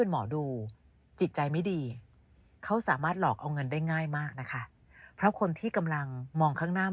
หมอดูจิตใจไม่ดีเขาสามารถหลอกเอาเงินได้ง่ายมากนะคะเพราะคนที่กำลังมองข้างหน้า